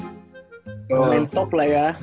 pemain top lah ya